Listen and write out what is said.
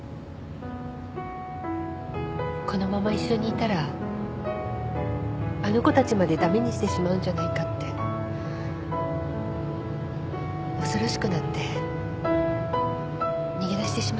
このまま一緒にいたらあの子たちまで駄目にしてしまうんじゃないかって恐ろしくなって逃げ出してしまったんです。